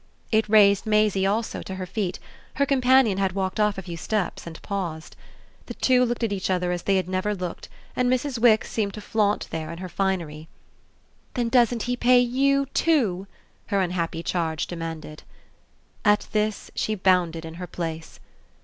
It raised Maisie also to her feet; her companion had walked off a few steps and paused. The two looked at each other as they had never looked, and Mrs. Wix seemed to flaunt there in her finery. "Then doesn't he pay YOU too?" her unhappy charge demanded. At this she bounded in her place.